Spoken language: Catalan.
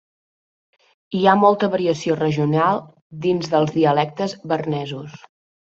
Hi ha molta variació regional dins dels dialectes bernesos.